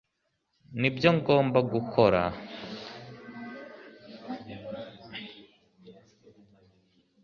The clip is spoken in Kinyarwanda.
nibyo ngomba gukora